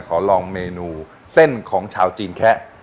ขอลองเมนูเส้นของชาวจีนแคะ